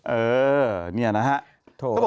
เออนี่นะครับ